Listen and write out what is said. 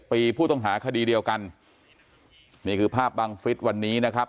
ปีผู้ต้องหาคดีเดียวกันนี่คือภาพบังฟิศวันนี้นะครับ